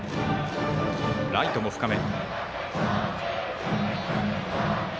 ライトも深め。